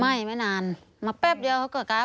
ไม่ไม่นานมาแป๊บเดียวเขาก็กลับ